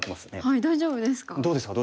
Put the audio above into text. はい大丈夫ですか？